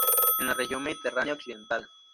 En la región mediterránea occidental.